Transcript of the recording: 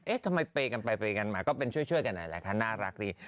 เอ๊ะทำไมเปรย์กันไปก็เป็นช่วยกันอะไรแหละค่ะน่ารักดี